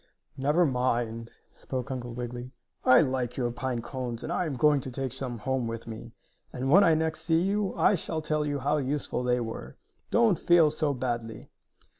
"Never mind," spoke Uncle Wiggily, "I like your pine cones, and I am going to take some home with me, and, when I next see you, I shall tell you how useful they were. Don't feel so badly."